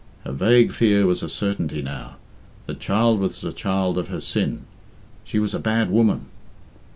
Her vague fear was a certainty now; the child was the child of her sin she was a bad woman.